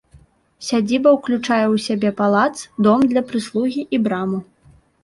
Сядзіба ўключае ў сябе палац, дом для прыслугі і браму.